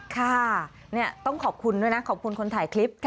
ค่ะต้องขอบคุณด้วยนะขอบคุณคนถ่ายคลิป